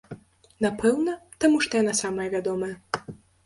Напэўна, таму што яна самая вядомая.